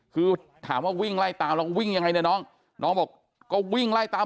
คือถามว่าวิ่งไล่ตามแล้ววิ่งยังไงเนี่ยน้องน้องบอกก็วิ่งไล่ตาม